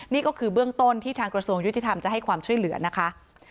นี่ก็คือเบื้องต้นที่ทางกระทรวงยุติธรรมจะให้ความช่วยเหลือนะคะ